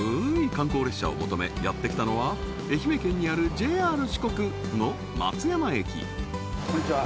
観光列車を求めやってきたのは愛媛県にあるＪＲ四国の松山駅こんにちは